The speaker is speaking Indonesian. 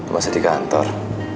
masih di kantor